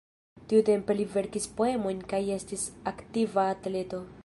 Tiutempe li verkis poemojn kaj estis aktiva atleto.